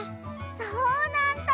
そうなんだ！